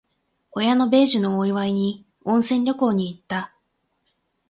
親の米寿のお祝いに、温泉旅行に行った。